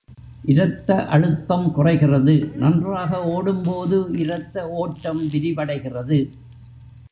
இரத்த அழுத்தம் குறைகிறது நன்றாக ஓடும் போது, இரத்த ஓட்டம் விரிவடைகிறது.